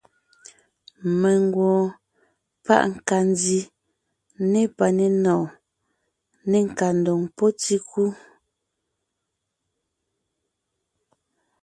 Mengwoon páʼ nkandi ne palénɔɔn, ne nkandoŋ pɔ́ tíkú.